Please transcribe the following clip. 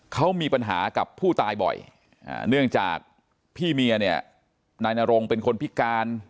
เขามีปัญหากับผู้ตายบ่อยเนื่องจากพี่เมียเนี่ยนายนรงเป็นคนพิการ